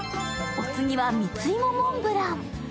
お次は蜜芋モンブラン。